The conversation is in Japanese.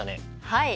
はい。